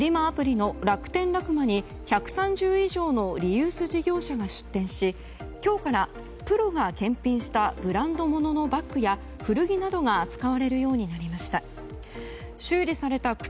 アプリの楽天ラクマに１３０以上のリユース事業者が出店し今日からプロが検品したブランド物のバッグや古着などが扱われるようになりました。